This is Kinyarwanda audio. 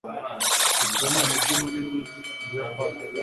tokiyo ni umujyi munini mu buyapani